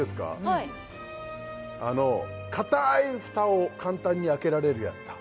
はいかたい蓋を簡単に開けられるやつだ